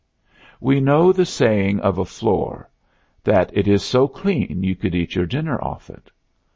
We know the saying of a floor that it is so clean "you could eat your dinner off it."